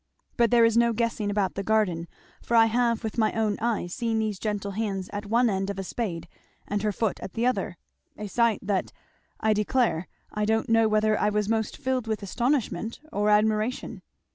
"But there is no guessing about the garden, for I have with my own eyes seen these gentle hands at one end of a spade and her foot at the other; a sight that I declare I don't know whether I was most filled with astonishment or admiration!"